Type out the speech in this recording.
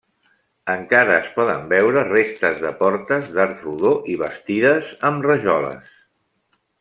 Encara es poden veure restes de portes d'arc rodó i bastides amb rajoles.